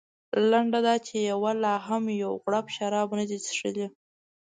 لنډه دا چې یوه لا هم یو غړپ شراب نه دي څښلي.